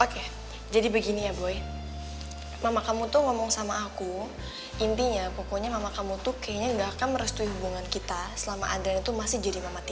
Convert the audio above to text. oke jadi begini ya boy mama tuh ngomong sama aku intinya pokoknya mama kamu tuh kayaknya gak akan merestui hubungan kita selama adran itu masih jadi mamat